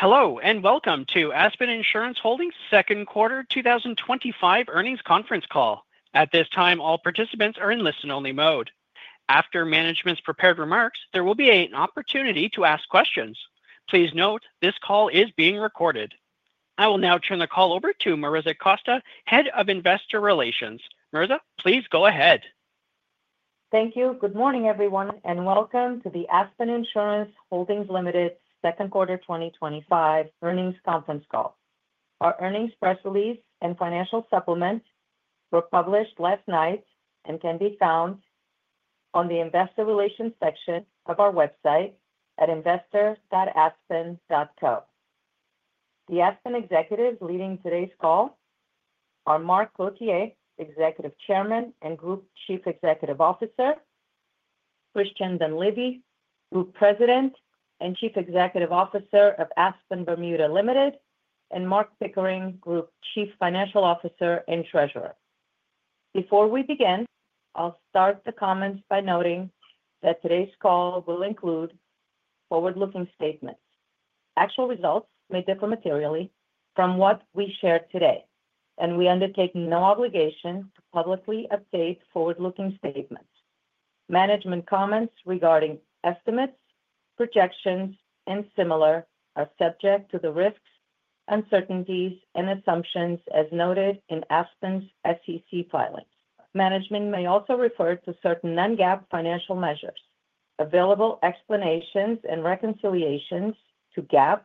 Hello and welcome to Aspen Insurance Holdings Limited's second quarter 2025 earnings conference call. At this time, all participants are in listen-only mode. After management's prepared remarks, there will be an opportunity to ask questions. Please note, this call is being recorded. I will now turn the call over to Mariza Costa, Head of Investor Relations. Mariza, please go ahead. Thank you. Good morning, everyone, and welcome to the Aspen Insurance Holdings Limited second quarter 2025 earnings conference call. Our earnings press release and financial supplement were published last night and can be found on the Investor Relations section of our website at investor.aspen.co. The Aspen executives leading today's call are Mark Cloutier, Executive Chairman and Group Chief Executive Officer, Christian Dunleavy, Group President and Chief Executive Officer of Aspen Bermuda Limited, and Mark Pickering, Group Chief Financial Officer and Treasurer. Before we begin, I'll start the comments by noting that today's call will include forward-looking statements. Actual results may differ materially from what we share today, and we undertake no obligation to publicly update forward-looking statements. Management comments regarding estimates, projections, and similar are subject to the risks, uncertainties, and assumptions as noted in Aspen's SEC filing. Management may also refer to certain non-GAAP financial measures. Available explanations and reconciliations to GAAP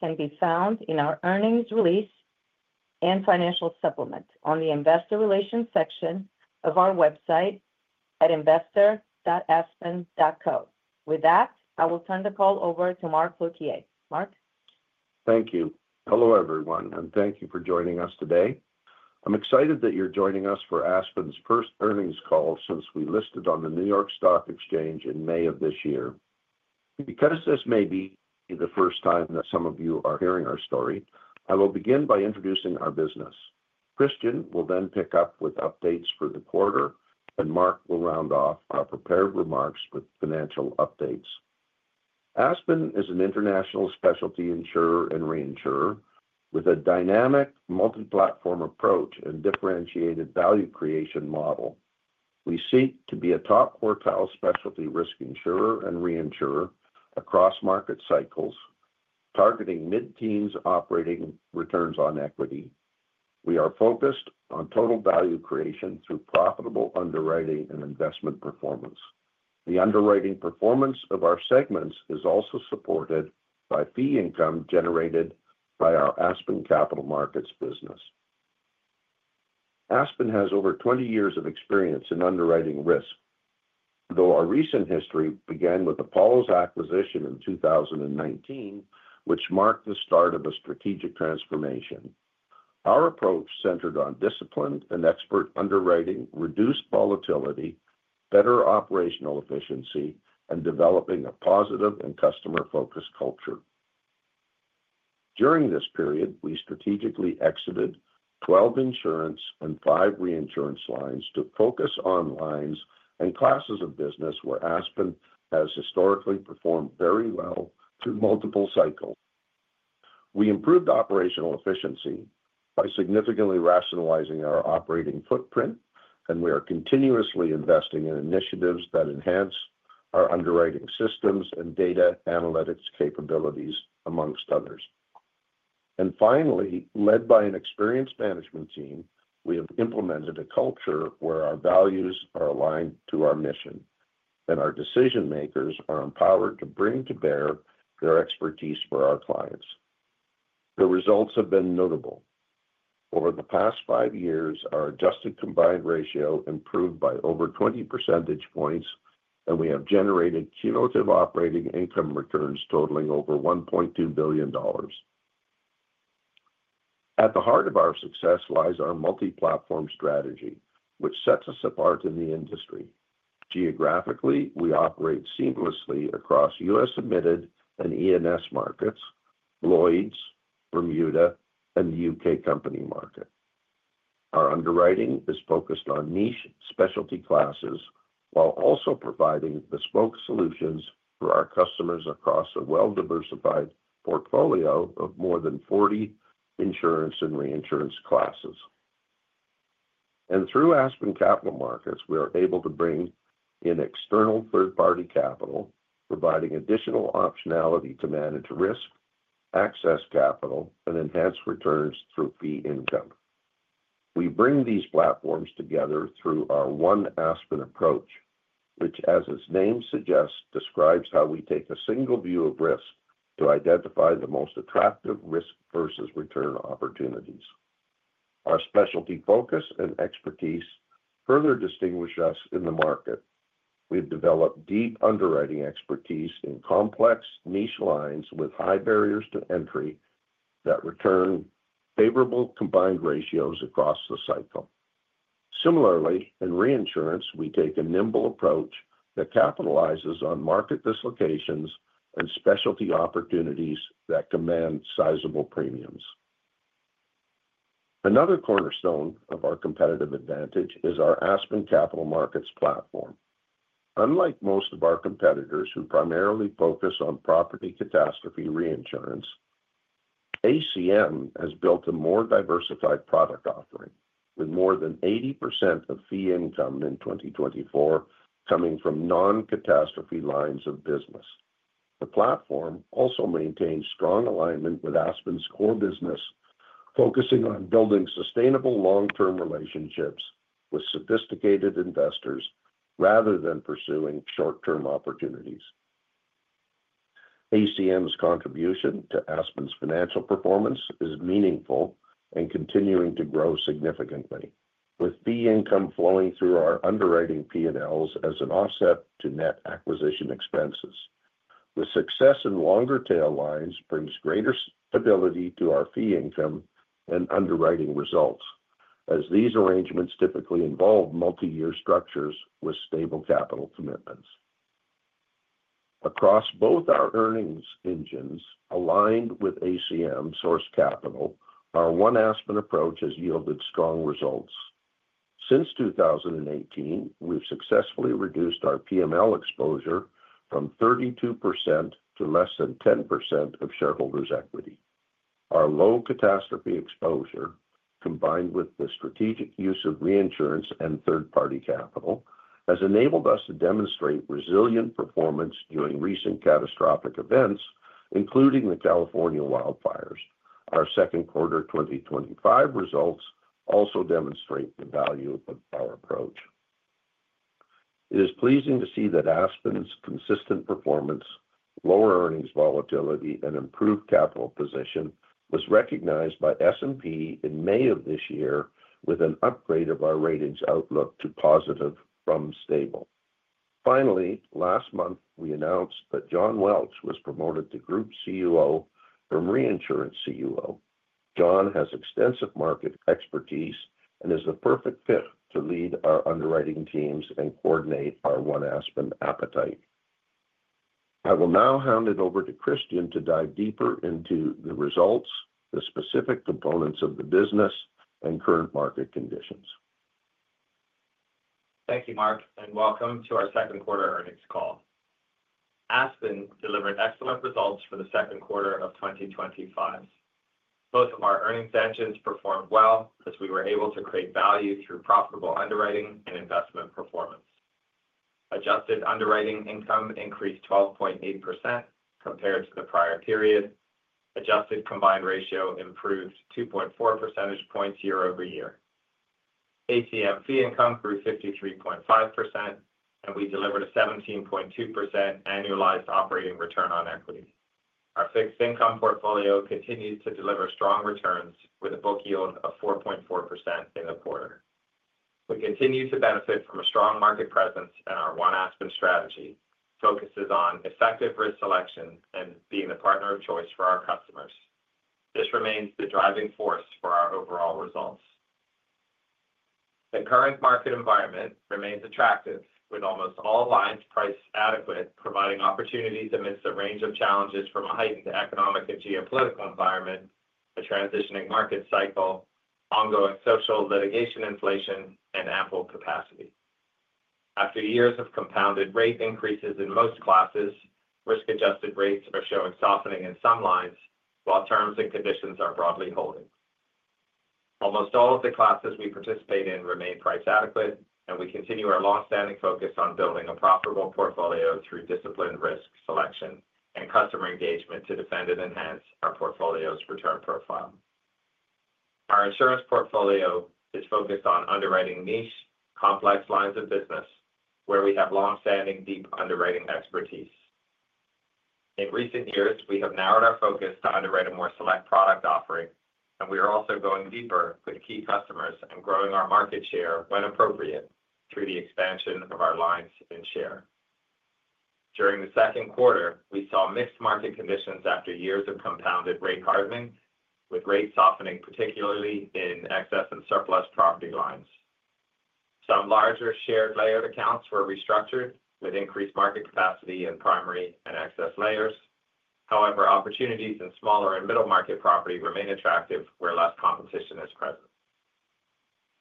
can be found in our earnings release and financial supplement on the Investor Relations section of our website at investor.aspen.co. With that, I will turn the call over to Mark Cloutier. Mark. Thank you. Hello, everyone, and thank you for joining us today. I'm excited that you're joining us for Aspen's first earnings call since we listed on the New York Stock Exchange in May of this year. Because this may be the first time that some of you are hearing our story, I will begin by introducing our business. Christian will then pick up with updates for the quarter, and Mark will round off our prepared remarks with financial updates. Aspen is an international specialty insurer and reinsurer with a dynamic, multi-platform approach and differentiated value creation model. We seek to be a top-quartile specialty risk insurer and reinsurer across market cycles, targeting mid-teens operating returns on equity. We are focused on total value creation through profitable underwriting and investment performance. The underwriting performance of our segments is also supported by fee income generated by our Aspen Capital Markets business. Aspen has over 20 years of experience in underwriting risk, though our recent history began with Apollo's acquisition in 2019, which marked the start of a strategic transformation. Our approach centered on disciplined and expert underwriting, reduced volatility, better operational efficiency, and developing a positive and customer-focused culture. During this period, we strategically exited 12 insurance and 5 reinsurance lines to focus on lines and classes of business where Aspen has historically performed very well through multiple cycles. We improved operational efficiency by significantly rationalizing our operating footprint, and we are continuously investing in initiatives that enhance our underwriting systems and data analytics capabilities, amongst others. Finally, led by an experienced management team, we have implemented a culture where our values are aligned to our mission, and our decision-makers are empowered to bring to bear their expertise for our clients. The results have been notable. Over the past five years, our adjusted combined ratio improved by over 20 percentage points, and we have generated cumulative operating income returns totaling over $1.2 billion. At the heart of our success lies our multi-platform strategy, which sets us apart in the industry. Geographically, we operate seamlessly across U.S. admitted and excess and surplus property markets, Lloyd's, Bermuda, and the UK company market. Our underwriting is focused on niche specialty classes while also providing bespoke solutions for our customers across a well-diversified portfolio of more than 40 insurance and reinsurance classes. Through Aspen Capital Markets, we are able to bring in external third-party capital, providing additional optionality to manage risk, access capital, and enhance returns through fee income. We bring these platforms together through our one Aspen approach, which, as its name suggests, describes how we take a single view of risk to identify the most attractive risk versus return opportunities. Our specialty focus and expertise further distinguish us in the market. We've developed deep underwriting expertise in complex niche lines with high barriers to entry that return favorable combined ratios across the cycle. Similarly, in reinsurance, we take a nimble approach that capitalizes on market dislocations and specialty opportunities that command sizable premiums. Another cornerstone of our competitive advantage is our Aspen Capital Markets platform. Unlike most of our competitors who primarily focus on property catastrophe reinsurance, ACM has built a more diversified product offering, with more than 80% of fee income in 2024 coming from non-catastrophe lines of business. The platform also maintains strong alignment with Aspen's core business, focusing on building sustainable long-term relationships with sophisticated investors rather than pursuing short-term opportunities. ACM's contribution to Aspen's financial performance is meaningful and continuing to grow significantly, with fee income flowing through our underwriting P&Ls as an offset to net acquisition expenses. The success in longer-tail lines brings greater stability to our fee income and underwriting results, as these arrangements typically involve multi-year structures with stable capital commitments. Across both our earnings engines, aligned with ACM's source capital, our one Aspen approach has yielded strong results. Since 2018, we've successfully reduced our P&L exposure from 32% to less than 10% of shareholders' equity. Our low catastrophe exposure, combined with the strategic use of reinsurance and third-party capital, has enabled us to demonstrate resilient performance during recent catastrophic events, including the California wildfires. Our second quarter 2025 results also demonstrate the value of our approach. It is pleasing to see that Aspen's consistent performance, lower earnings volatility, and improved capital position was recognized by S&P in May of this year with an upgrade of our ratings outlook to positive from stable. Finally, last month, we announced that John Welch was promoted to Group CEO from Reinsurance CEO. John has extensive market expertise and is the perfect fit to lead our underwriting teams and coordinate our one Aspen appetite. I will now hand it over to Christian to dive deeper into the results, the specific components of the business, and current market conditions. Thank you, Mark, and welcome to our second quarter earnings call. Aspen delivered excellent results for the second quarter of 2025. Both of our earnings engines performed well as we were able to create value through profitable underwriting and investment performance. Adjusted underwriting income increased 12.8% compared to the prior period. Adjusted combined ratio improved 2.4 percentage points year over year. ACM fee income grew 53.5%, and we delivered a 17.2% annualized operating return on equity. Our fixed income portfolio continues to deliver strong returns with a book yield of 4.4% in the quarter. We continue to benefit from a strong market presence, and our one Aspen strategy focuses on effective risk selection and being the partner of choice for our customers. This remains the driving force for our overall results. The current market environment remains attractive, with almost all lines priced adequate, providing opportunities amidst a range of challenges from a heightened economic and geopolitical environment, a transitioning market cycle, ongoing social inflation, and ample capacity. After years of compounded rate increases in most classes, risk-adjusted rates are showing softening in some lines, while terms and conditions are broadly holding. Almost all of the classes we participate in remain price adequate, and we continue our long-standing focus on building a profitable portfolio through disciplined risk selection and customer engagement to defend and enhance our portfolio's return profile. Our insurance portfolio is focused on underwriting niche, complex lines of business, where we have long-standing deep underwriting expertise. In recent years, we have narrowed our focus to underwrite a more select product offering, and we are also going deeper with key customers and growing our market share when appropriate through the expansion of our lines and share. During the second quarter, we saw mixed market conditions after years of compounded rate hardening, with rate softening particularly in excess and surplus property lines. Some larger shared layered accounts were restructured with increased market capacity in primary and excess layers. However, opportunities in smaller and middle market property remain attractive where less competition is present.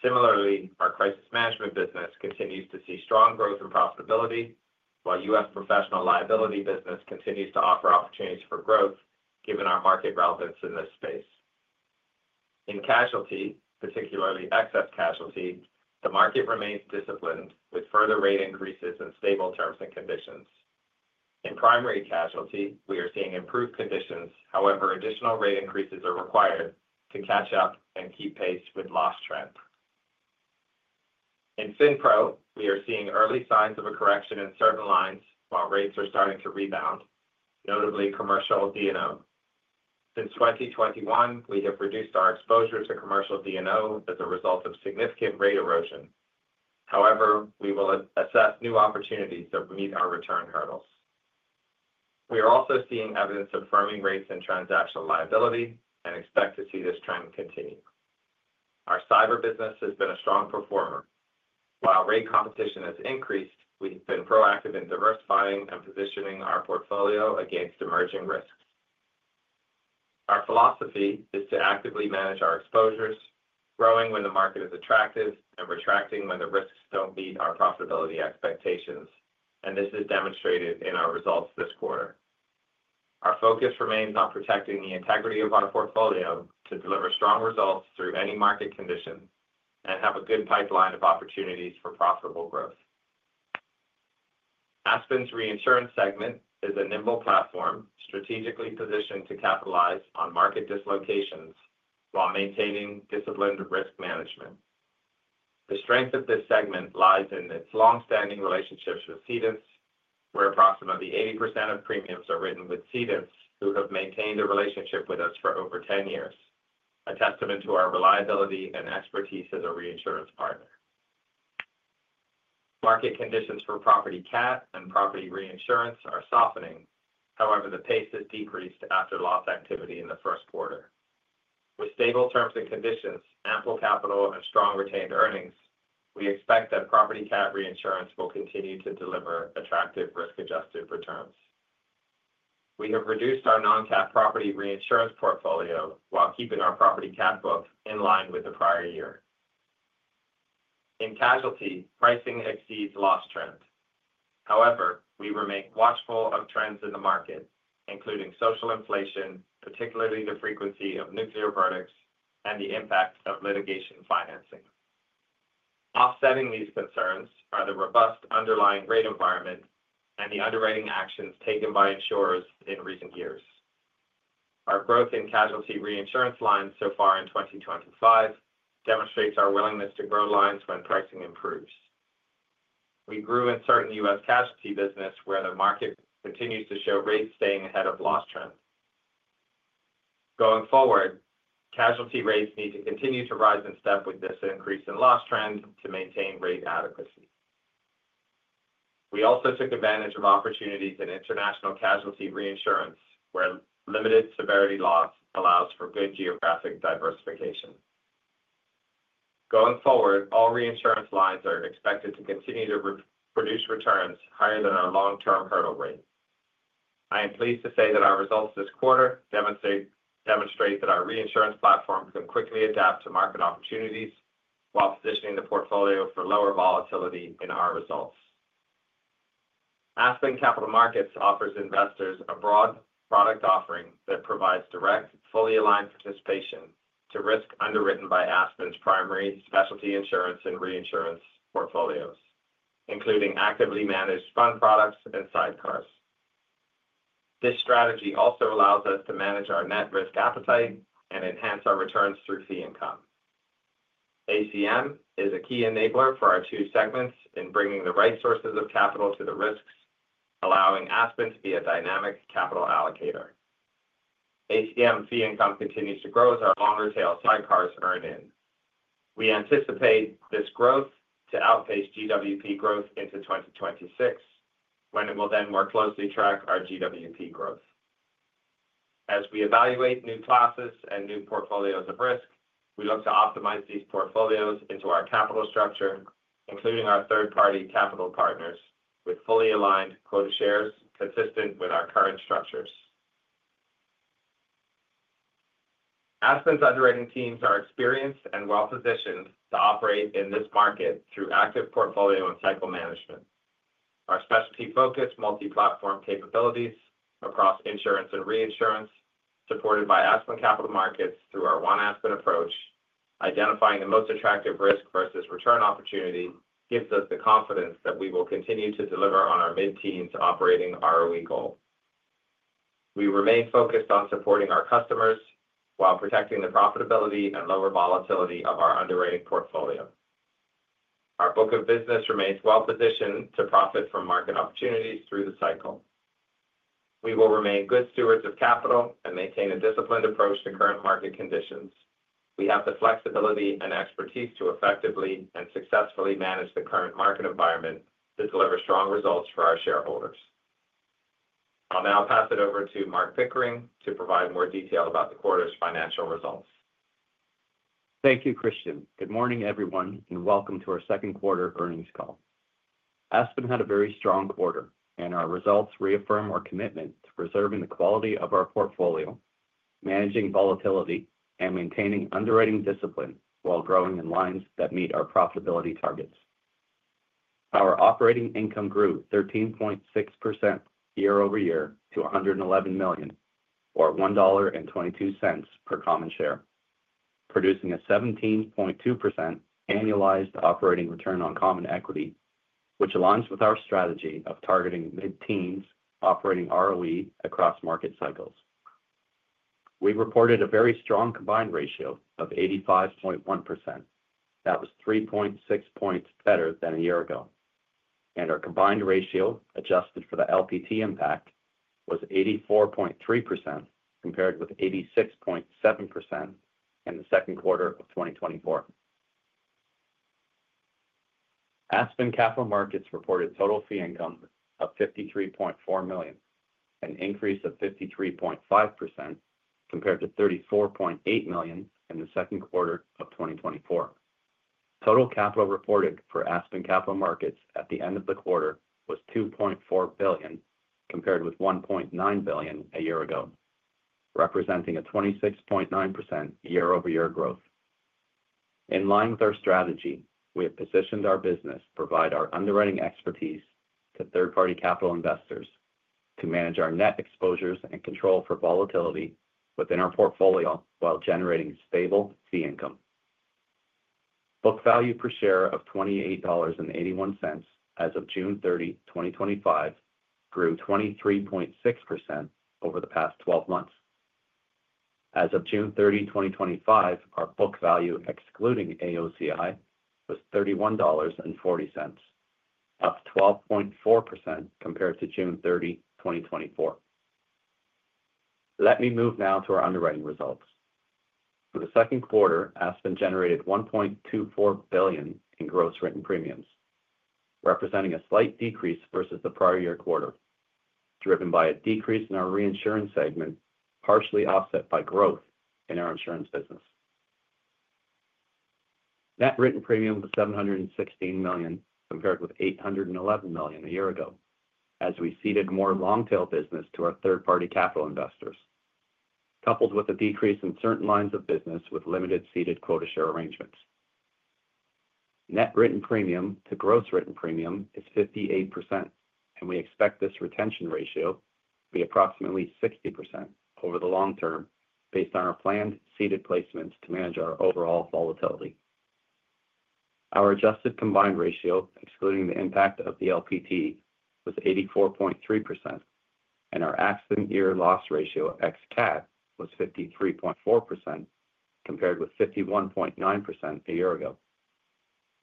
Similarly, our crisis management business continues to see strong growth in profitability, while U.S. Professional liability business continues to offer opportunities for growth given our market relevance in this space. In casualty, particularly excess casualty, the market remains disciplined with further rate increases and stable terms and conditions. In primary casualty, we are seeing improved conditions, however, additional rate increases are required to catch up and keep pace with loss trends. In fin pro, we are seeing early signs of a correction in certain lines while rates are starting to rebound, notably commercial D&O. Since 2021, we have reduced our exposure to commercial D&O as a result of significant rate erosion. However, we will assess new opportunities that meet our return hurdles. We are also seeing evidence of firming rates in transactional liability and expect to see this trend continue. Our cyber business has been a strong performer. While rate competition has increased, we have been proactive in diversifying and positioning our portfolio against emerging risks. Our philosophy is to actively manage our exposures, growing when the market is attractive and retracting when the risks don't meet our profitability expectations, and this is demonstrated in our results this quarter. Our focus remains on protecting the integrity of our portfolio to deliver strong results through any market condition and have a good pipeline of opportunities for profitable growth. Aspen's reinsurance segment is a nimble platform strategically positioned to capitalize on market dislocations while maintaining disciplined risk management. The strength of this segment lies in its long-standing relationships with cedents, where approximately 80% of premiums are written with cedents who have maintained a relationship with us for over 10 years, a testament to our reliability and expertise as a reinsurance partner. Market conditions for PropertyCat and property reinsurance are softening, however, the pace has decreased after loss activity in the first quarter. With stable terms and conditions, ample capital, and strong retained earnings, we expect that PropertyCat reinsurance will continue to deliver attractive risk-adjusted returns. We have reduced our non-cat property reinsurance portfolio while keeping our property cash flow in line with the prior year. In casualty, pricing exceeds loss trend. However, we remain watchful of trends in the market, including social inflation, particularly the frequency of nuclear verdicts, and the impact of litigation financing. Offsetting these concerns are the robust underlying rate environment and the underwriting actions taken by insurers in recent years. Our growth in casualty reinsurance lines so far in 2025 demonstrates our willingness to grow lines when pricing improves. We grew in certain U.S. casualty businesses where the market continues to show rates staying ahead of loss trend. Going forward, casualty rates need to continue to rise in step with this increase in loss trend to maintain rate adequacy. We also took advantage of opportunities in international casualty reinsurance, where limited severity loss allows for good geographic diversification. Going forward, all reinsurance lines are expected to continue to produce returns higher than our long-term hurdle rate. I am pleased to say that our results this quarter demonstrate that our reinsurance platform can quickly adapt to market opportunities while positioning the portfolio for lower volatility in our results. Aspen Capital Markets offers investors a broad product offering that provides direct, fully aligned participation to risk underwritten by Aspen's primary specialty insurance and reinsurance portfolios, including actively managed fund products and sidecars. This strategy also allows us to manage our net risk appetite and enhance our returns through fee income. ACM is a key enabler for our two segments in bringing the right sources of capital to the risks, allowing Aspen to be a dynamic capital allocator. ACM fee income continues to grow as our longer-tail sidecars earn in. We anticipate this growth to outpace GWP growth into 2026, when it will then more closely track our GWP growth. As we evaluate new classes and new portfolios of risk, we look to optimize these portfolios into our capital structure, including our third-party capital partners, with fully aligned quota shares consistent with our current structures. Aspen's underwriting teams are experienced and well-positioned to operate in this market through active portfolio and cycle management. Our specialty-focused multi-platform capabilities across insurance and reinsurance, supported by Aspen Capital Markets through our one Aspen approach, identifying the most attractive risk versus return opportunity, gives us the confidence that we will continue to deliver on our mid-teens operating ROE goal. We remain focused on supporting our customers while protecting the profitability and lower volatility of our underwriting portfolio. Our book of business remains well-positioned to profit from market opportunities through the cycle. We will remain good stewards of capital and maintain a disciplined approach to current market conditions. We have the flexibility and expertise to effectively and successfully manage the current market environment to deliver strong results for our shareholders. I'll now pass it over to Mark Pickering to provide more detail about the quarter's financial results. Thank you, Christian. Good morning, everyone, and welcome to our second quarter earnings call. Aspen had a very strong quarter, and our results reaffirm our commitment to preserving the quality of our portfolio, managing volatility, and maintaining underwriting discipline while growing in lines that meet our profitability targets. Our operating income grew 13.6% year over year to 111 million, or $1.22 per common share, producing a 17.2% annualized operating return on common equity, which aligns with our strategy of targeting mid-teens operating ROE across market cycles. We reported a very strong combined ratio of 85.1%, which was 3.6 points better than a year ago. Our combined ratio adjusted for the LPT impact was 84.3% compared with 86.7% in the second quarter of 2024. Aspen Capital Markets reported total fee income of $53.4 million, an increase of 53.5% compared to $34.8 million in the second quarter of 2024. Total capital reported for Aspen Capital Markets at the end of the quarter was 2.4 billion compared with 1.9 billion a year ago, representing a 26.9% year-over-year growth. In line with our strategy, we have positioned our business to provide our underwriting expertise to third-party capital investors to manage our net exposures and control for volatility within our portfolio while generating stable fee income. Book value per share of $28.81 as of June 30, 2025, grew 23.6% over the past 12 months. As of June 30, 2025, our book value, excluding AOCI, was $31.40, up 12.4% compared to June 30, 2024. Let me move now to our underwriting results. For the second quarter, Aspen generated $1.24 billion in gross written premiums, representing a slight decrease versus the prior year quarter, driven by a decrease in our reinsurance segment partially offset by growth in our insurance business. Net written premium was $716 million compared with $811 million a year ago, as we ceded more long-tail business to our third-party capital investors, coupled with a decrease in certain lines of business with limited ceded quota share arrangements. Net written premium to gross written premium is 58%, and we expect this retention ratio to be approximately 60% over the long term based on our planned ceded placements to manage our overall volatility. Our adjusted combined ratio, excluding the impact of the LPT, was 84.3%, and our Aspen year loss ratio ex-cat was 53.4% compared with 51.9% a year ago.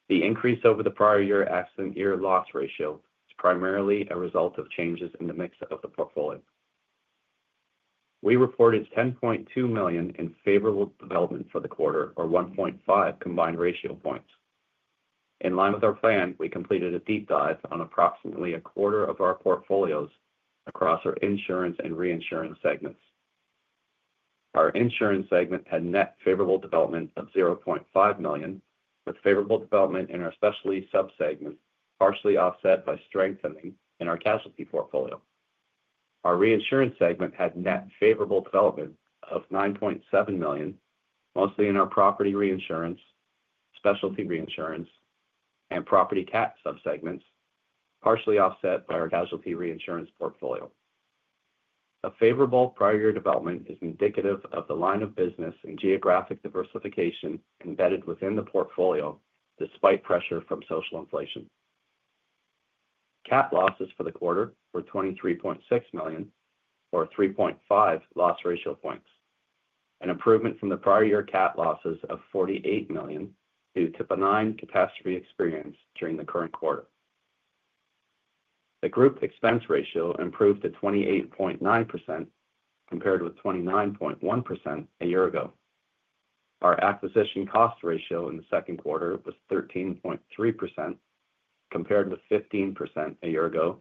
The increase over the prior year Aspen year loss ratio was primarily a result of changes in the mix of the portfolio. We reported $10.2 million in favorable development for the quarter, or 1.5 combined ratio points. In line with our plan, we completed a deep dive on approximately a quarter of our portfolios across our insurance and reinsurance segments. Our insurance segment had net favorable development of $0.5 million, with favorable development in our specialty subsegment partially offset by strengthening in our casualty portfolio. Our reinsurance segment had net favorable development of $9.7 million, mostly in our property reinsurance, specialty reinsurance, and property cat subsegments, partially offset by our casualty reinsurance portfolio. A favorable prior year development is indicative of the line of business and geographic diversification embedded within the portfolio despite pressure from social inflation. Cat losses for the quarter were $23.6 million, or 3.5 loss ratio points, an improvement from the prior year cat losses of $48 million due to benign catastrophe experience during the current quarter. The group expense ratio improved to 28.9% compared with 29.1% a year ago. Our acquisition cost ratio in the second quarter was 13.3% compared with 15% a year ago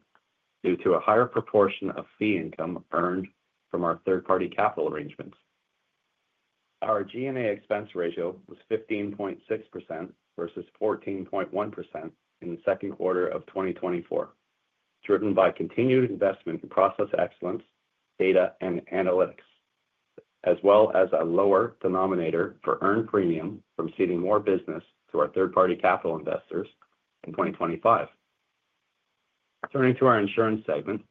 due to a higher proportion of fee income earned from our third-party capital arrangements. Our G&A expense ratio was 15.6% versus 14.1% in the second quarter of 2024, driven by continued investment in process excellence, data, and analytics, as well as a lower denominator for earned premium from ceding more business to our third-party capital investors in 2025. Turning to our insurance segment,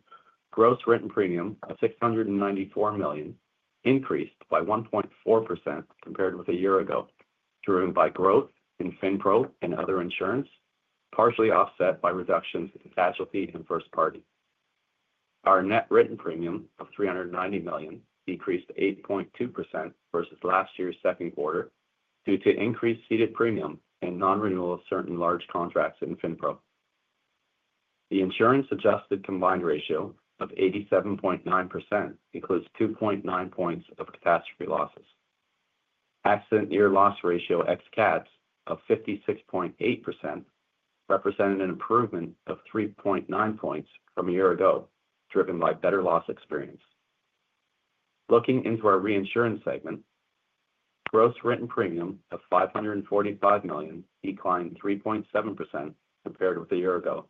gross written premium of 694 million increased by 1.4% compared with a year ago, driven by growth in fin pro and other insurance, partially offset by reductions in casualty and first party. Our net written premium of 390 million decreased 8.2% versus last year's second quarter due to increased ceded premium and non-renewal of certain large contracts in fin pro. The insurance adjusted combined ratio of 87.9% includes 2.9 points of catastrophe losses. Aspen year loss ratio ex-cat of 56.8% represented an improvement of 3.9 points from a year ago, driven by better loss experience. Looking into our reinsurance segment, gross written premium of 545 million declined 3.7% compared with a year ago,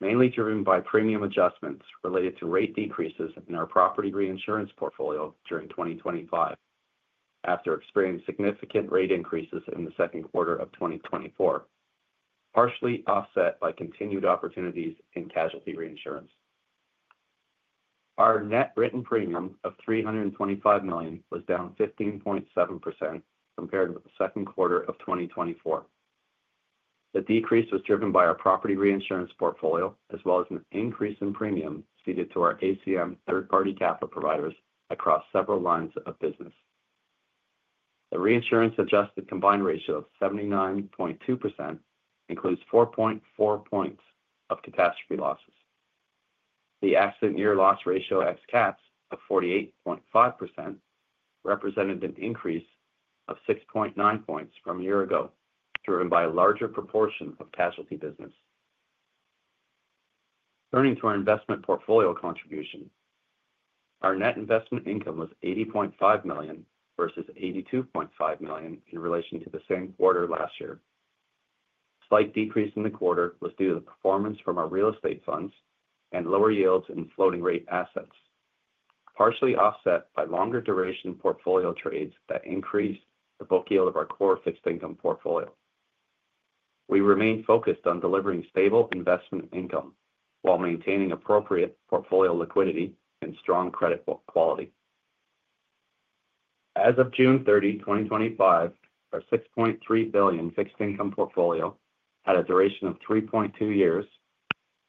mainly driven by premium adjustments related to rate decreases in our property reinsurance portfolio during 2025 after experiencing significant rate increases in the second quarter of 2024, partially offset by continued opportunities in casualty reinsurance. Our net written premium of 325 million was down 15.7% compared with the second quarter of 2024. The decrease was driven by our property reinsurance portfolio, as well as an increase in premium ceded to our ACM third-party capital providers across several lines of business. The reinsurance adjusted combined ratio of 79.2% includes 4.4 points of catastrophe losses. The Aspen year loss ratio ex-cat of 48.5% represented an increase of 6.9 points from a year ago, driven by a larger proportion of casualty business. Turning to our investment portfolio contribution, our net investment income was 80.5 million versus 82.5 million in relation to the same quarter last year. A slight decrease in the quarter was due to the performance from our real estate funds and lower yields in floating rate assets, partially offset by longer duration portfolio trades that increased the book yield of our core fixed income portfolio. We remain focused on delivering stable investment income while maintaining appropriate portfolio liquidity and strong credit quality. As of June 30, 2025, our 6.3 billion fixed income portfolio had a duration of 3.2 years,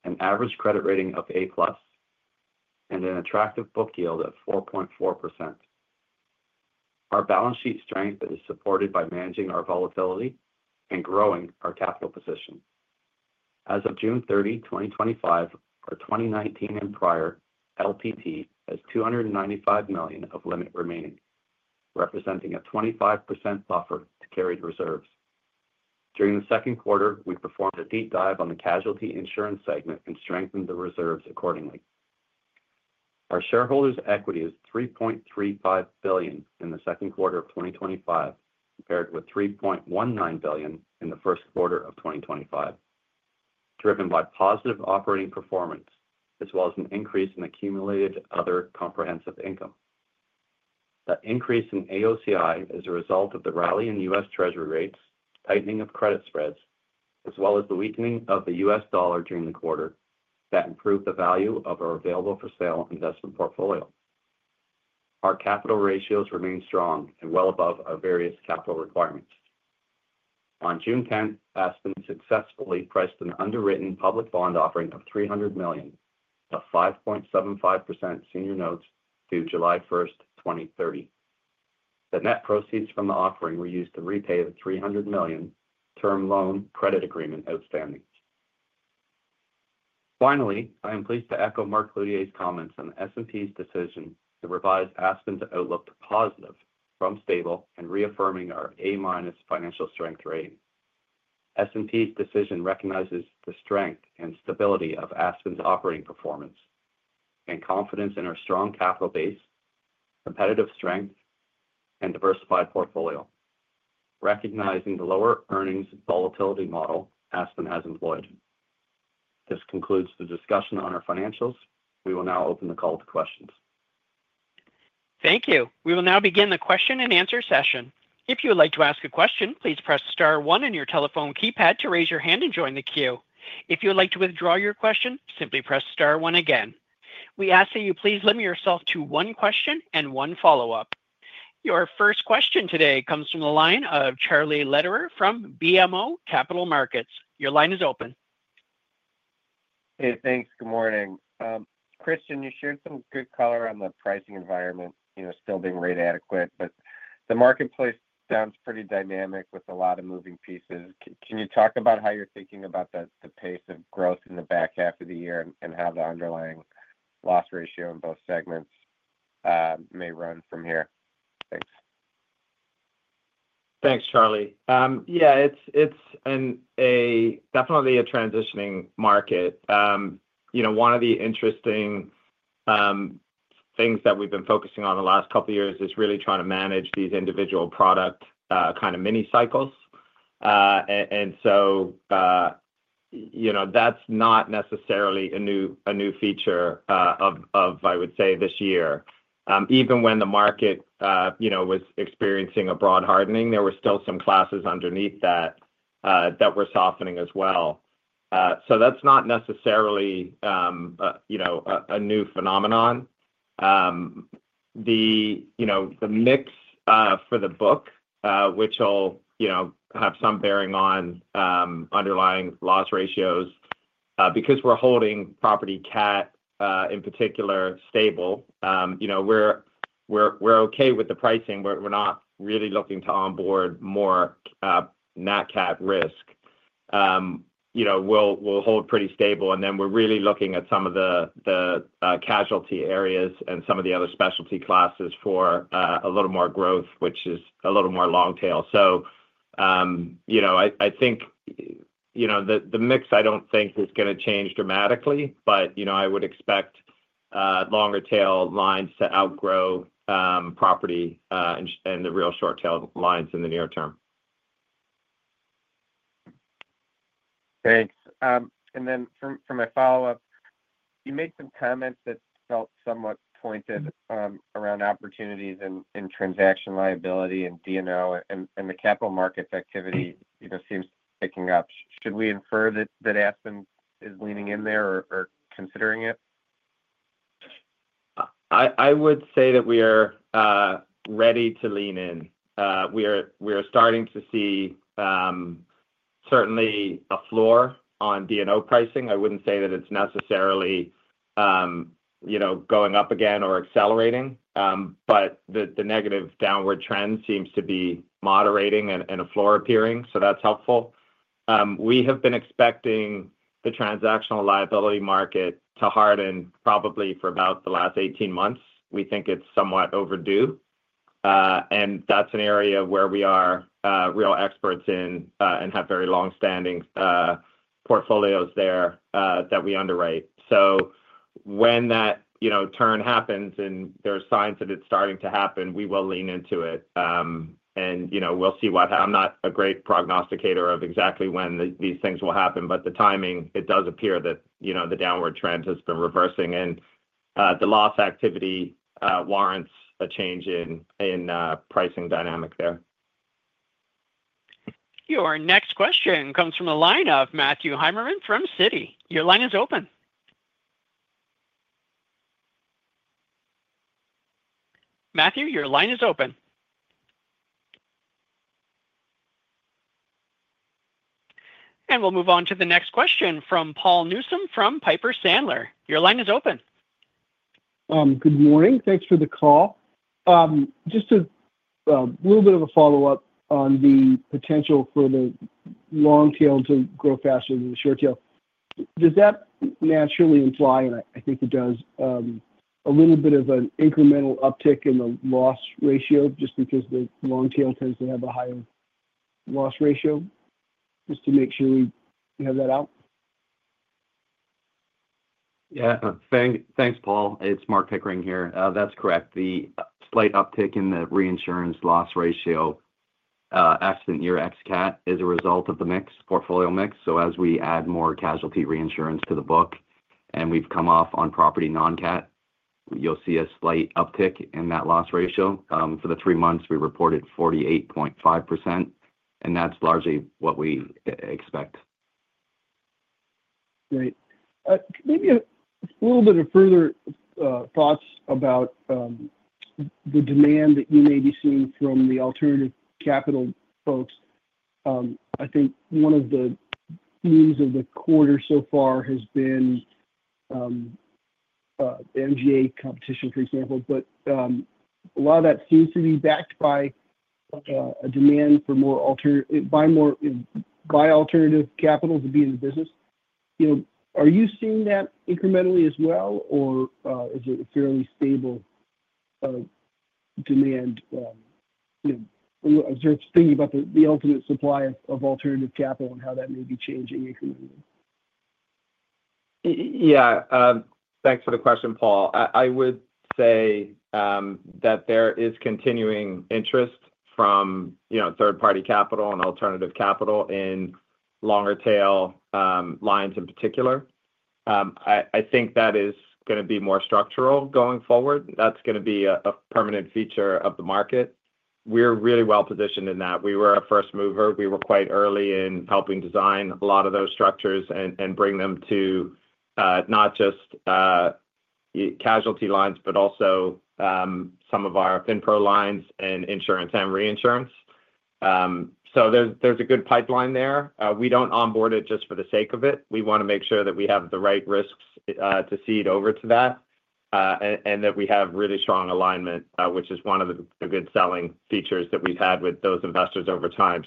an average credit rating of A+, and an attractive book yield of 4.4%. Our balance sheet strength is supported by managing our volatility and growing our capital position. As of June 30, 2025, our 2019 and prior LPT has 295 million of limit remaining, representing a 25% buffer to carried reserves. During the second quarter, we performed a deep dive on the casualty insurance segment and strengthened the reserves accordingly. Our shareholders' equity is 3.35 billion in the second quarter of 2025, paired with 3.19 billion in the first quarter of 2025, driven by positive operating performance as well as an increase in accumulated other comprehensive income. The increase in AOCI is a result of the rally in U.S treasury rates, tightening of credit spreads, as well as the weakening of the U.S. dollar during the quarter that improved the value of our available for sale investment portfolio. Our capital ratios remain strong and well above our various capital requirements. On June 10, Aspen successfully priced an underwritten public bond offering of 300 million of 5.75% senior notes due July 1, 2030. The net proceeds from the offering were used to repay the 300 million term loan credit agreement outstandings. Finally, I am pleased to echo Mark Cloutier's comments on S&P's decision to revise Aspen's outlook to positive from stable and reaffirming our A-minus financial strength rating. S&P's decision recognizes the strength and stability of Aspen's operating performance and confidence in our strong capital base, competitive strength, and diversified portfolio, recognizing the lower earnings volatility model Aspen has employed. This concludes the discussion on our financials. We will now open the call to questions. Thank you. We will now begin the question and answer session. If you would like to ask a question, please press star one on your telephone keypad to raise your hand and join the queue. If you would like to withdraw your question, simply press star one again. We ask that you please limit yourself to one question and one follow-up. Your first question today comes from the line of Charles William Lederer from BMO Capital Markets. Your line is open. Hey, thanks. Good morning. Christian, you shared some good color on the pricing environment, you know, still being rate adequate, but the marketplace sounds pretty dynamic with a lot of moving pieces. Can you talk about how you're thinking about the pace of growth in the back half of the year and how the underlying loss ratio in both segments may run from here? Thanks. Thanks, Charlie. Yeah, it's definitely a transitioning market. One of the interesting things that we've been focusing on the last couple of years is really trying to manage these individual product kind of mini cycles. That's not necessarily a new feature of, I would say, this year. Even when the market was experiencing a broad hardening, there were still some classes underneath that were softening as well. That's not necessarily a new phenomenon. The mix for the book, which will have some bearing on underlying loss ratios because we're holding property cat in particular stable. We're okay with the pricing, but we're not really looking to onboard more nat cat risk. We'll hold pretty stable and then we're really looking at some of the casualty areas and some of the other specialty classes for a little more growth, which is a little more long tail. I think the mix, I don't think is going to change dramatically, but I would expect longer tail lines to outgrow property and the real short tail lines in the near term. Thanks. For my follow-up, you made some comments that felt somewhat pointed around opportunities in transaction liability and D&O, and the capital market effectivity seems picking up. Should we infer that Aspen is leaning in there or considering it? I would say that we are ready to lean in. We are starting to see certainly a floor on D&O pricing. I wouldn't say that it's necessarily going up again or accelerating, but the negative downward trend seems to be moderating and a floor appearing, so that's helpful. We have been expecting the transactional liability market to harden probably for about the last 18 months. We think it's somewhat overdue, and that's an area where we are real experts in and have very long-standing portfolios there that we underwrite. When that turn happens and there are signs that it's starting to happen, we will lean into it. We'll see what happens. I'm not a great prognosticator of exactly when these things will happen, but the timing, it does appear that the downward trend has been reversing and the loss activity warrants a change in pricing dynamic there. Our next question comes from the line of Matthew G. Heimermann from Citigroup Inc. Your line is open. Matthew, your line is open. We'll move on to the next question from Jon Paul Newsome from Piper Sandler & Co. Your line is open. Good morning. Thanks for the call. Just a little bit of a follow-up on the potential for the long tail to grow faster than the short tail. Does that naturally imply, and I think it does, a little bit of an incremental uptick in the loss ratio just because the long tail tends to have a higher loss ratio? Just to make sure we have that out. Yeah, thanks, Paul. It's Mark Pickering here. That's correct. The slight uptick in the reinsurance loss ratio Aspen year ex-cat is a result of the mix, portfolio mix. As we add more casualty reinsurance to the book and we've come off on property non-cat, you'll see a slight uptick in that loss ratio. For the three months, we reported 48.5%, and that's largely what we expect. Right. Maybe a little bit of further thoughts about the demand that you may be seeing from the alternative capital folks. I think one of the themes of the quarter so far has been MGA competition, for example, but a lot of that seems to be backed by a demand for more alternative, by more alternative capital to be in the business. Are you seeing that incrementally as well, or is it a fairly stable demand? I'm just thinking about the ultimate supply of alternative capital and how that may be changing incrementally. Yeah, thanks for the question, Paul. I would say that there is continuing interest from, you know, third-party capital and alternative capital in longer-tail lines in particular. I think that is going to be more structural going forward. That's going to be a permanent feature of the market. We're really well positioned in that. We were a first mover. We were quite early in helping design a lot of those structures and bring them to not just casualty lines, but also some of our fin pro lines and insurance and reinsurance. There's a good pipeline there. We don't onboard it just for the sake of it. We want to make sure that we have the right risks to seed over to that and that we have really strong alignment, which is one of the good selling features that we've had with those investors over time.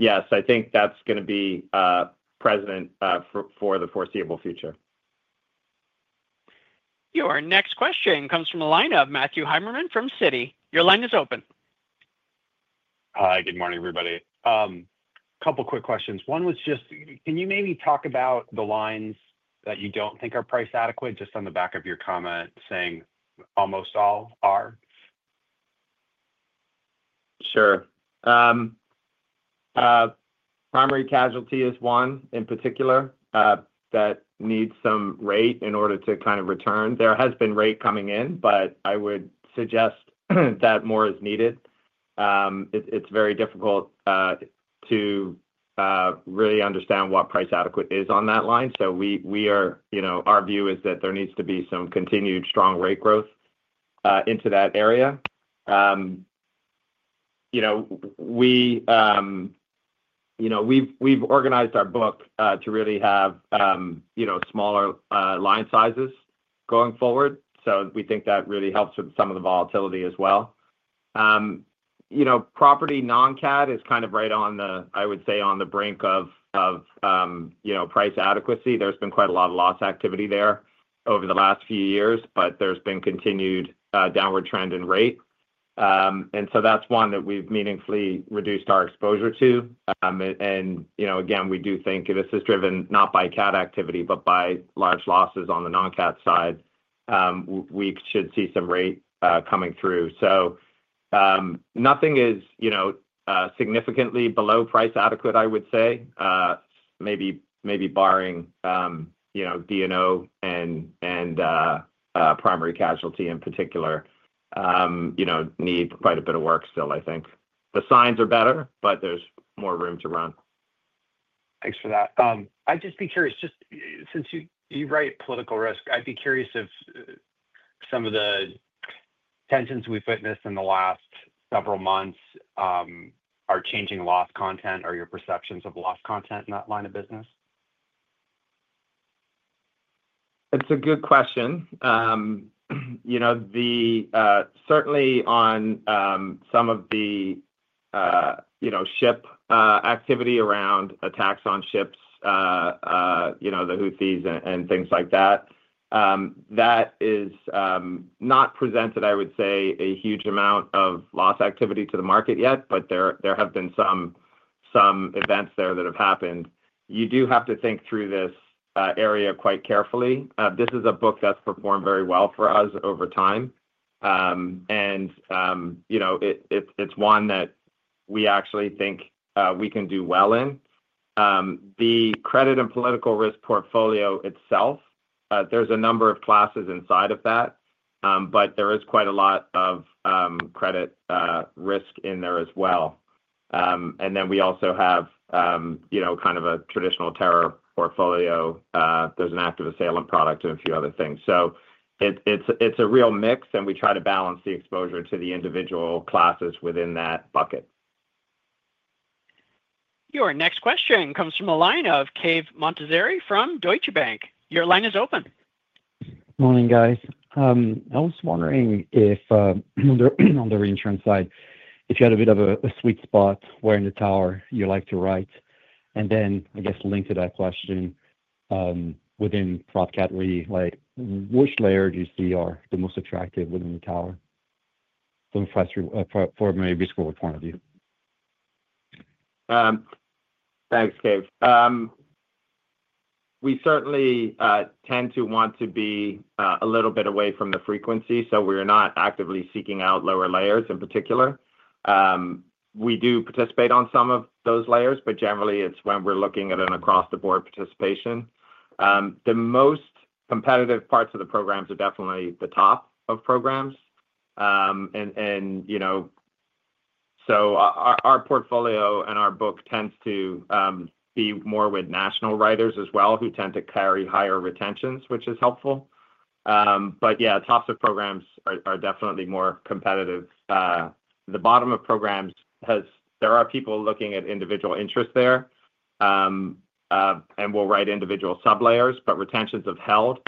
Yes, I think that's going to be present for the foreseeable future. Our next question comes from the line of Matthew G. Heimermann from Citigroup Inc. Your line is open. Hi, good morning, everybody. A couple of quick questions. One was just, can you maybe talk about the lines that you don't think are price adequate, just on the back of your comment saying almost all are? Sure. Primary casualty is one in particular that needs some rate in order to kind of return. There has been rate coming in, but I would suggest that more is needed. It's very difficult to really understand what price adequate is on that line. Our view is that there needs to be some continued strong rate growth into that area. We've organized our book to really have smaller line sizes going forward. We think that really helps with some of the volatility as well. Property non-cat is kind of right on the, I would say, on the brink of price adequacy. There's been quite a lot of loss activity there over the last few years, but there's been continued downward trend in rate. That's one that we've meaningfully reduced our exposure to. We do think if this is driven not by cat activity, but by large losses on the non-cat side, we should see some rate coming through. Nothing is significantly below price adequate, I would say. Maybe barring D&O and primary casualty in particular, need quite a bit of work still, I think. The signs are better, but there's more room to run. Thanks for that. I'd just be curious, just since you write political risk, if some of the tensions we've witnessed in the last several months are changing loss content or your perceptions of loss content in that line of business. It's a good question. Certainly, on some of the ship activity around attacks on ships, the Houthis and things like that, that has not presented, I would say, a huge amount of loss activity to the market yet, but there have been some events there that have happened. You do have to think through this area quite carefully. This is a book that's performed very well for us over time, and it's one that we actually think we can do well in. The credit and political risk portfolio itself, there's a number of classes inside of that, but there is quite a lot of credit risk in there as well. We also have a traditional terror portfolio. There's an active assailant product and a few other things. It's a real mix, and we try to balance the exposure to the individual classes within that bucket. Your next question comes from a line of Cave Mohaghegh Montazeri from Deutsche Bank AG. Your line is open. Morning, guys. I was wondering if, you know, on the reinsurance side, if you had a bit of a sweet spot where in the tower you like to write, and then I guess link to that question within Profit Category, like which layer do you see are the most attractive within the tower from a business growth point of view? Thanks, Cave. We certainly tend to want to be a little bit away from the frequency, so we are not actively seeking out lower layers in particular. We do participate on some of those layers, but generally, it's when we're looking at an across-the-board participation. The most competitive parts of the programs are definitely the top of programs. Our portfolio and our book tends to be more with national writers as well who tend to carry higher retentions, which is helpful. Tops of programs are definitely more competitive. The bottom of programs has people looking at individual interests there, and we'll write individual sublayers, but retentions have held,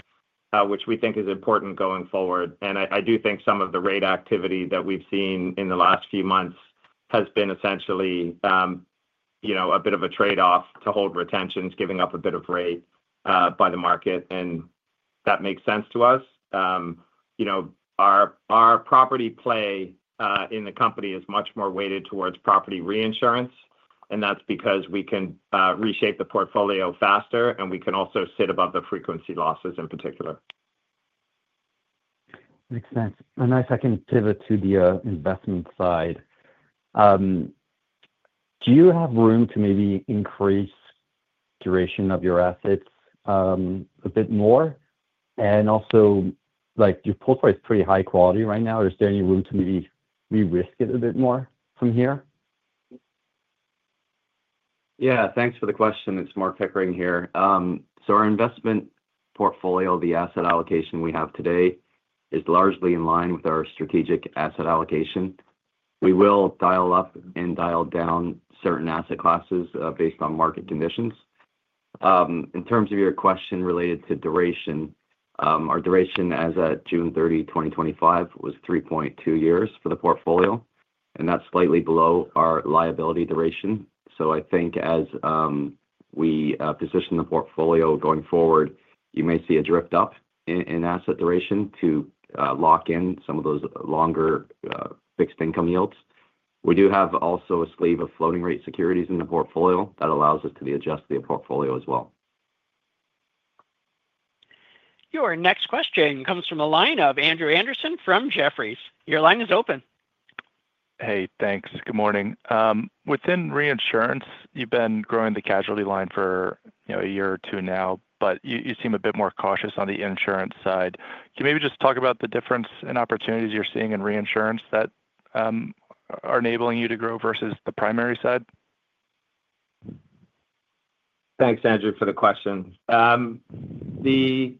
which we think is important going forward. I do think some of the rate activity that we've seen in the last few months has been essentially a bit of a trade-off to hold retentions, giving up a bit of rate by the market. That makes sense to us. Our property play in the company is much more weighted towards property reinsurance, and that's because we can reshape the portfolio faster, and we can also sit above the frequency losses in particular. Makes sense. I can pivot to the investment side. Do you have room to maybe increase the duration of your assets a bit more? Also, your portfolio is pretty high quality right now. Is there any room to maybe risk it a bit more from here? Yeah, thanks for the question. It's Mark Pickering here. Our investment portfolio, the asset allocation we have today, is largely in line with our strategic asset allocation. We will dial up and dial down certain asset classes based on market conditions. In terms of your question related to duration, our duration as of June 30, 2025, was 3.2 years for the portfolio, and that's slightly below our liability duration. I think as we position the portfolio going forward, you may see a drift up in asset duration to lock in some of those longer fixed income yields. We do have also a sleeve of floating rate securities in the portfolio that allows us to adjust the portfolio as well. Your next question comes from a line of Andrew E. Andersen from Jefferies LLC. Your line is open. Hey, thanks. Good morning. Within reinsurance, you've been growing the casualty lines for a year or two now, but you seem a bit more cautious on the insurance side. Can you maybe just talk about the difference in opportunities you're seeing in reinsurance that are enabling you to grow versus the primary side? Thanks, Andrew, for the question. The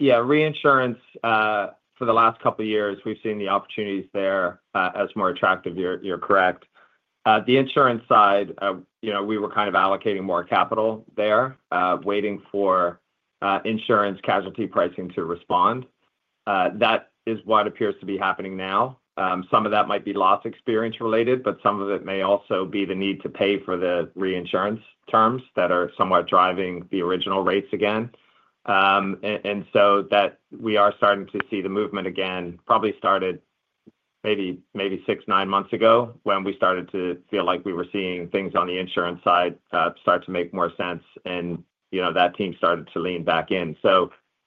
reinsurance for the last couple of years, we've seen the opportunities there as more attractive. You're correct. The insurance side, you know, we were kind of allocating more capital there, waiting for insurance casualty pricing to respond. That is what appears to be happening now. Some of that might be loss experience related, but some of it may also be the need to pay for the reinsurance terms that are somewhat driving the original rates again. We are starting to see the movement again, probably started maybe six, nine months ago when we started to feel like we were seeing things on the insurance side start to make more sense, and you know, that team started to lean back in.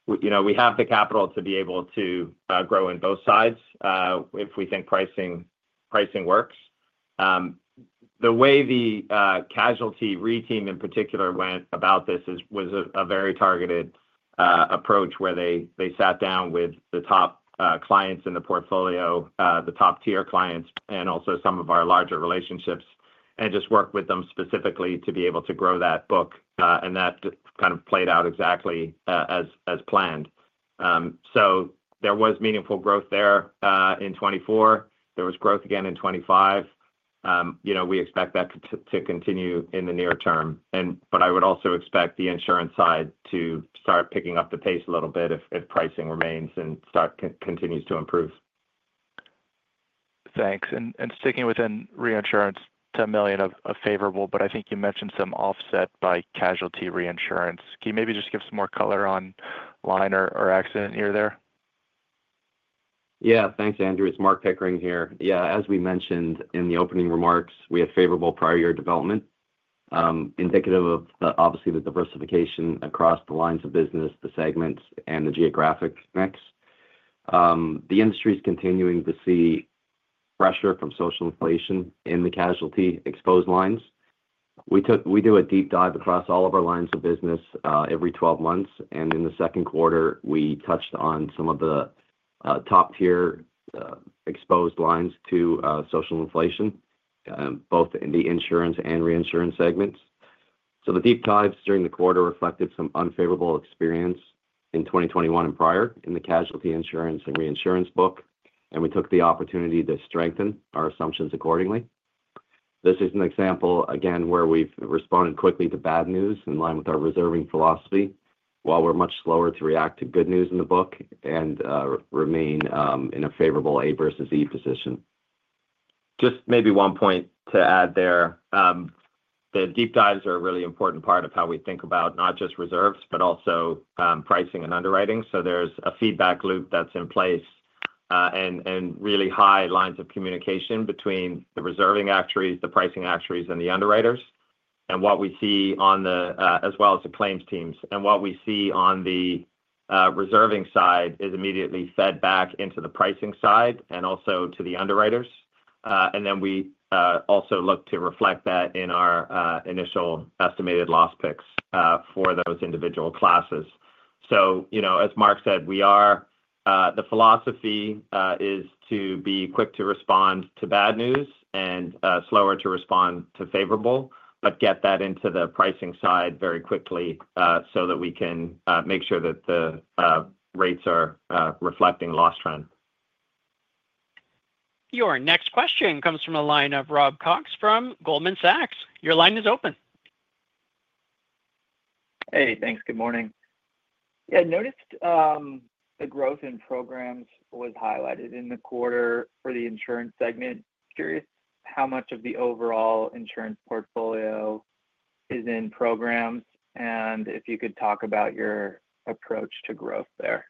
We have the capital to be able to grow in both sides if we think pricing works. The way the casualty re-team in particular went about this was a very targeted approach where they sat down with the top clients in the portfolio, the top tier clients, and also some of our larger relationships, and just worked with them specifically to be able to grow that book. That kind of played out exactly as planned. There was meaningful growth there in 2024. There was growth again in 2025. We expect that to continue in the near term. I would also expect the insurance side to start picking up the pace a little bit if pricing remains and continues to improve. Thanks. Sticking within reinsurance, $10 million of favorable, but I think you mentioned some offset by casualty reinsurance. Can you maybe just give some more color on line or accident year there? Yeah, thanks, Andrew. It's Mark Pickering here. As we mentioned in the opening remarks, we had favorable prior year development, indicative of obviously the diversification across the lines of business, the segments, and the geographic mix. The industry is continuing to see pressure from social inflation in the casualty lines. We do a deep dive across all of our lines of business every 12 months, and in the second quarter, we touched on some of the top tier exposed lines to social inflation, both in the insurance and reinsurance segments. The deep dives during the quarter reflected some unfavorable experience in 2021 and prior in the casualty insurance and reinsurance book, and we took the opportunity to strengthen our assumptions accordingly. This is an example, again, where we've responded quickly to bad news in line with our reserving philosophy, while we're much slower to react to good news in the book and remain in a favorable A versus E position. Just maybe one point to add there. The deep dives are a really important part of how we think about not just reserves, but also pricing and underwriting. There is a feedback loop that's in place and really high lines of communication between the reserving actuaries, the pricing actuaries, and the underwriters. What we see, as well as the claims teams, and what we see on the reserving side is immediately fed back into the pricing side and also to the underwriters. We also look to reflect that in our initial estimated loss picks for those individual classes. As Mark said, the philosophy is to be quick to respond to bad news and slower to respond to favorable, but get that into the pricing side very quickly so that we can make sure that the rates are reflecting loss trend. Your next question comes from a line of Robert Cox from Goldman Sachs. Your line is open. Hey, thanks. Good morning. Yeah, noticed the growth in programs was highlighted in the quarter for the insurance segment. Curious how much of the overall insurance portfolio is in programs, and if you could talk about your approach to growth there.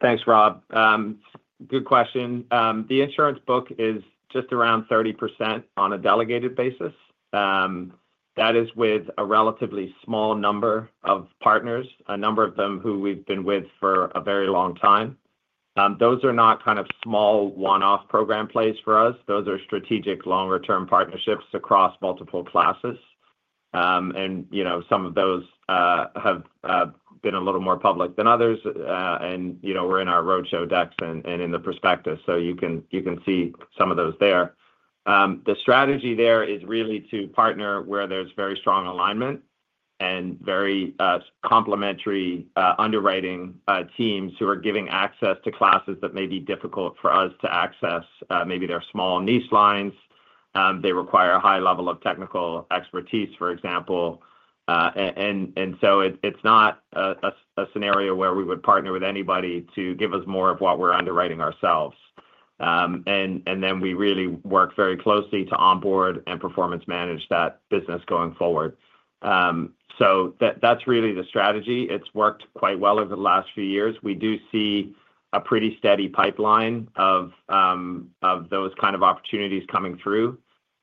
Thanks, Rob. Good question. The insurance book is just around 30% on a delegated basis. That is with a relatively small number of partners, a number of them who we've been with for a very long time. Those are not small one-off program plays for us. Those are strategic longer-term partnerships across multiple classes. Some of those have been a little more public than others. We're in our roadshow decks and in the prospectus, so you can see some of those there. The strategy there is really to partner where there's very strong alignment and very complementary underwriting teams who are giving access to classes that may be difficult for us to access. Maybe they're small niche lines. They require a high level of technical expertise, for example. It's not a scenario where we would partner with anybody to give us more of what we're underwriting ourselves. We really work very closely to onboard and performance manage that business going forward. That's really the strategy. It's worked quite well over the last few years. We do see a pretty steady pipeline of those kind of opportunities coming through.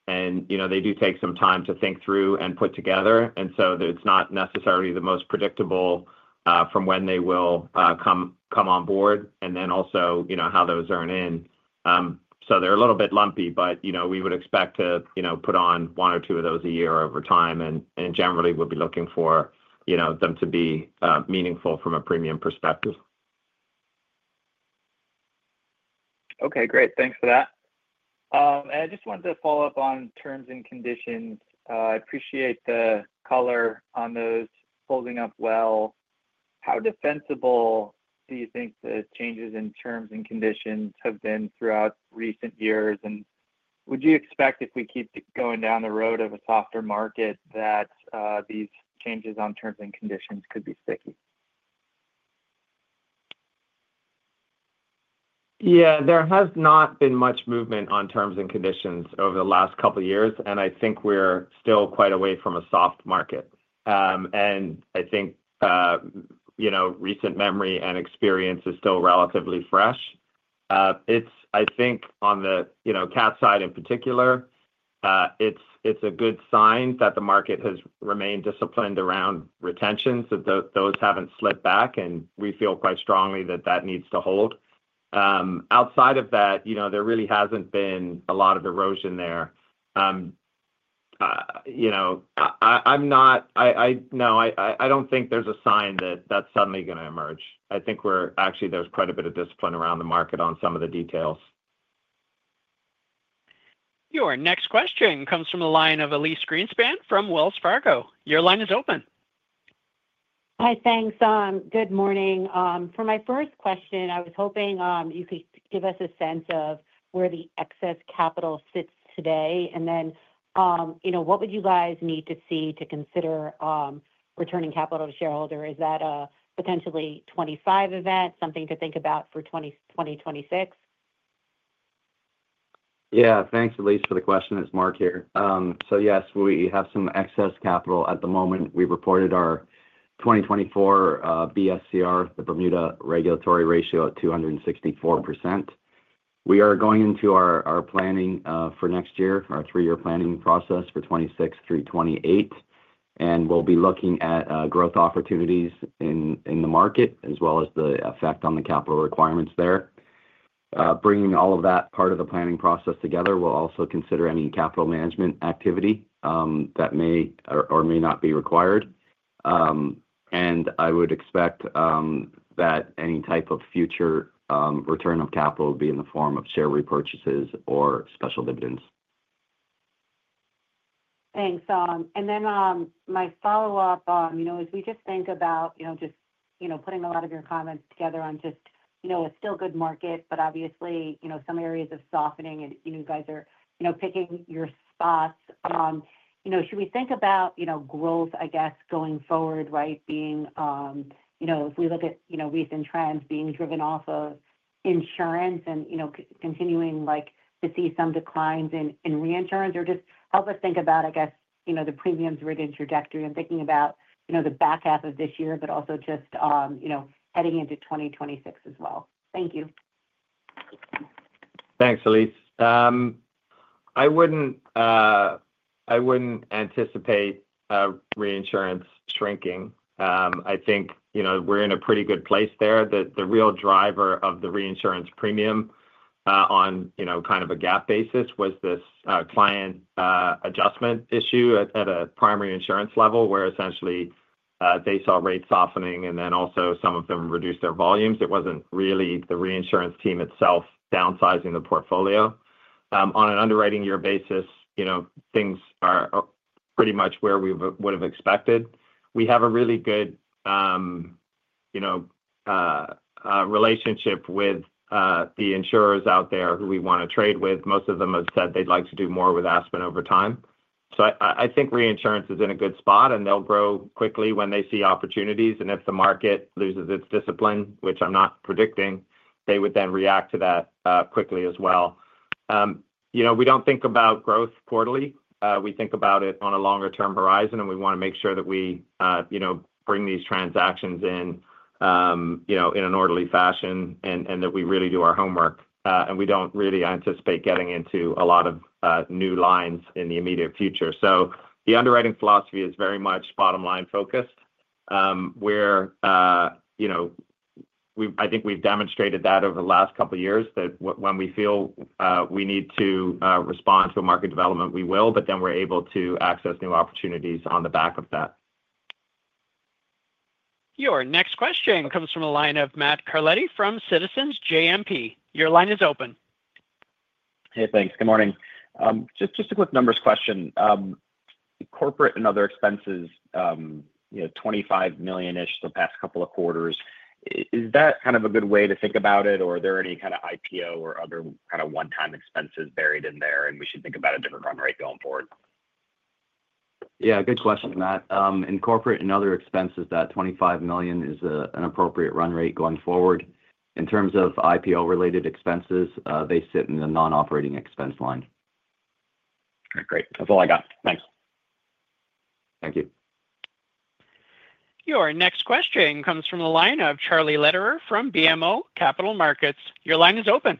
They do take some time to think through and put together. It's not necessarily the most predictable from when they will come on board and also how those earn in. They're a little bit lumpy, but we would expect to put on one or two of those a year over time. Generally, we'll be looking for them to be meaningful from a premium perspective. Okay, great. Thanks for that. I just wanted to follow up on terms and conditions. I appreciate the color on those holding up well. How defensible do you think the changes in terms and conditions have been throughout recent years? Would you expect if we keep going down the road of a softer market that these changes on terms and conditions could be fixed? Yeah, there has not been much movement on terms and conditions over the last couple of years. I think we're still quite away from a soft market. I think recent memory and experience is still relatively fresh. I think on the cat side in particular, it's a good sign that the market has remained disciplined around retention. Those haven't slipped back, and we feel quite strongly that that needs to hold. Outside of that, there really hasn't been a lot of erosion there. I don't think there's a sign that that's suddenly going to emerge. I think we're actually, there's quite a bit of discipline around the market on some of the details. Your next question comes from a line of Elyse Beth Greenspan from Wells Fargo Securities. Your line is open. Hi, thanks. Good morning. For my first question, I was hoping you could give us a sense of where the excess capital sits today. What would you guys need to see to consider returning capital to shareholders? Is that a potentially 2025 event, something to think about for 2026? Yeah, thanks, Elyse, for the question. It's Mark here. Yes, we have some excess capital at the moment. We reported our 2024 BSCR, the Bermuda Regulatory Ratio, at 264%. We are going into our planning for next year, our three-year planning process for 2026 through 2028. We'll be looking at growth opportunities in the market, as well as the effect on the capital requirements there. Bringing all of that part of the planning process together, we'll also consider any capital management activity that may or may not be required. I would expect that any type of future return of capital would be in the form of share repurchases or special dividends. Thanks. My follow-up, as we just think about putting a lot of your comments together on a still good market, but obviously some areas of softening and you guys are picking your spots. Should we think about growth, I guess, going forward, right? Being, if we look at recent trends being driven off of insurance and continuing to see some declines in reinsurance, or just help us think about the premiums-written trajectory and thinking about the back half of this year, but also heading into 2026 as well. Thank you. Thanks, Elyse. I wouldn't anticipate reinsurance shrinking. I think we're in a pretty good place there. The real driver of the reinsurance premium on a gap basis was this client adjustment issue at a primary insurance level where essentially they saw rate softening and then also some of them reduced their volumes. It wasn't really the reinsurance team itself downsizing the portfolio. On an underwriting year basis, things are pretty much where we would have expected. We have a really good relationship with the insurers out there who we want to trade with. Most of them have said they'd like to do more with Aspen over time. I think reinsurance is in a good spot and they'll grow quickly when they see opportunities. If the market loses its discipline, which I'm not predicting, they would then react to that quickly as well. We don't think about growth quarterly. We think about it on a longer-term horizon and we want to make sure that we bring these transactions in, in an orderly fashion and that we really do our homework. We don't really anticipate getting into a lot of new lines in the immediate future. The underwriting philosophy is very much bottom-line focused. I think we've demonstrated that over the last couple of years that when we feel we need to respond to a market development, we will, but then we're able to access new opportunities on the back of that. Your next question comes from the line of Matthew John Carletti from Citizens JMP Securities. Your line is open. Hey, thanks. Good morning. Just a quick numbers question. Corporate and other expenses, you know, 25 million-ish the past couple of quarters. Is that kind of a good way to think about it, or are there any kind of IPO or other kind of one-time expenses buried in there, and we should think about a different run rate going forward? Good question, Matt. In Corporate and Other expenses, that $25 million is an appropriate run rate going forward. In terms of IPO-related expenses, they sit in the non-operating expense line. Great. That's all I got. Thanks. Thank you. Your next question comes from a line of Charles William Lederer from BMO Capital Markets. Your line is open.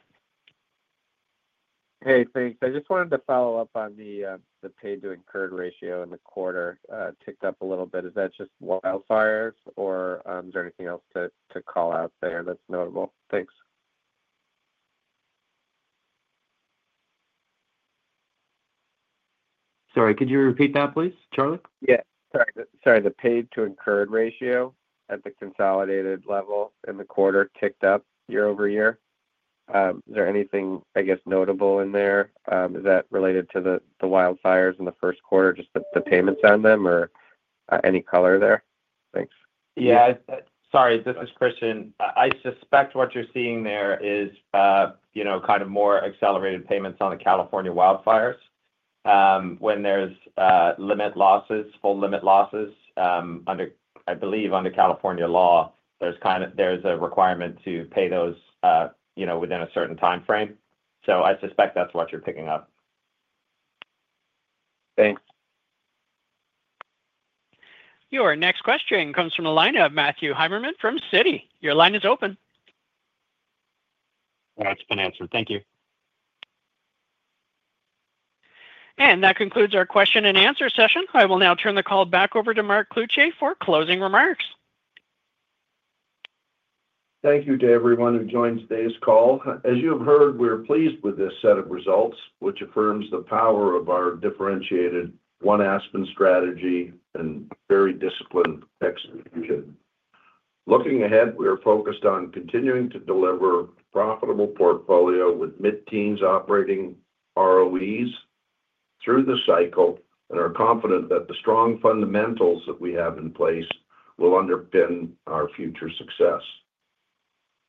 Hey, thanks. I just wanted to follow up on the pay-to-incurred ratio in the quarter ticked up a little bit. Is that just wildfires, or is there anything else to call out there that's notable? Thanks. Sorry, could you repeat that, please, Charlie? Sorry, the pay-to-incurred ratio at the consolidated level in the quarter ticked up year over year. Is there anything notable in there? Is that related to the wildfires in the first quarter, just the payments on them, or any color there? Thanks. Yeah, sorry, this is Christian. I suspect what you're seeing there is kind of more accelerated payments on the California wildfires when there's limit losses, full limit losses. Under, I believe, under California law, there's a requirement to pay those within a certain timeframe. I suspect that's what you're picking up. Thanks. Your next question comes from a line of Matthew G. Heimermann from Citigroup Inc. Your line is open. That's been answered. Thank you. That concludes our question and answer session. I will now turn the call back over to Mark Cloutier for closing remarks. Thank you to everyone who joined today's call. As you have heard, we're pleased with this set of results, which affirms the power of our differentiated One Aspen strategy and very disciplined execution. Looking ahead, we are focused on continuing to deliver a profitable portfolio with mid-teens operating ROEs through the cycle and are confident that the strong fundamentals that we have in place will underpin our future success.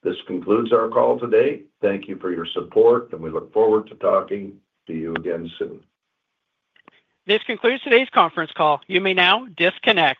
This concludes our call today. Thank you for your support, and we look forward to talking to you again soon. This concludes today's conference call. You may now disconnect.